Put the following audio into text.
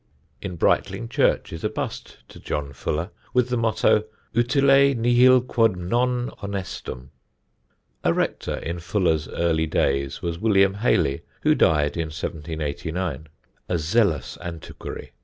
In Brightling church is a bust to John Fuller, with the motto: "Utile nihil quod non honestum." A rector in Fuller's early days was William Hayley, who died in 1789, a zealous antiquary.